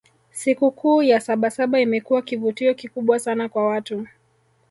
sikukuu ya sabasaba imekuwa kivutio kikubwa sana kwa watu